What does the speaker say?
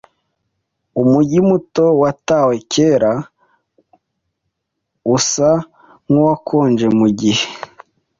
Umujyi muto, watawe kera, usa nkuwakonje mugihe .